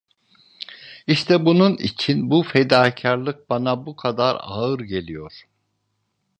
İşte bunun için bu fedakarlık bana bu kadar ağır geliyor…